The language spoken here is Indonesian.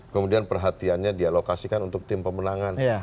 kemudian perhatiannya dialokasikan untuk tim pemenangan